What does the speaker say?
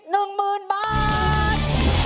๑หมื่นบาท